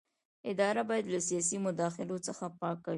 اداره باید له سیاسي مداخلو څخه پاکه وي.